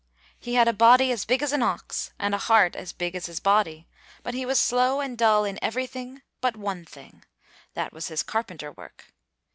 He had a body as big as an ox, and a heart as big as his body, but he was slow and dull in everything but one thing that was his carpenter work.